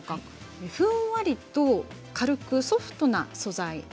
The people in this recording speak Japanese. ふんわりと軽くソフトな素材ですね。